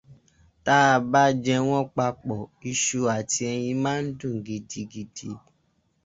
Táa bá jẹ wọ́n papọ̀, iṣu àti ẹyin máa ń dùn gidigidi.